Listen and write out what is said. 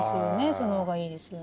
その方がいいですよね。